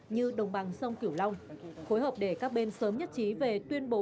như đồng bằng sông cửu long khối hợp để các bên sớm nhất trí về tuyên bố